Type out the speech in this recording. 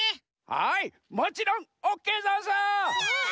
はいもちろんオッケーざんす！わい！